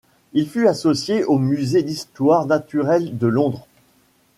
Il fut associé au musée d'histoire naturelle de Londres.